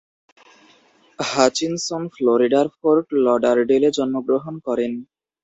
Hutchinson ফ্লোরিডার Fort লডারডেলে জন্মগ্রহণ করেন।